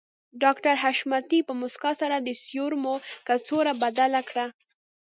ډاکټر حشمتي په مسکا سره د سيرومو کڅوړه بدله کړه